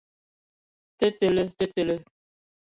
Tə tele! Te tele.